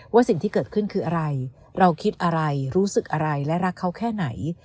สิ่งที่เกิดขึ้นคืออะไรเราคิดอะไรรู้สึกอะไรและรักเขาแค่ไหน